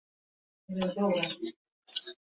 কিন্তু কেউই সর্বজন গ্রাহ্য মতামত দিতে সক্ষম হলো না।